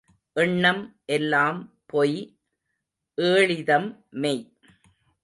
எண்ணம் எல்லாம் பொய் ஏளிதம் மெய்.